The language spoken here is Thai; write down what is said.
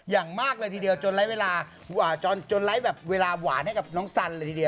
อย่างมากเลยทีเดียวจนไร้เวลาหวานให้กับน้องสัน